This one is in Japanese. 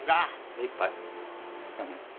精いっぱい何を？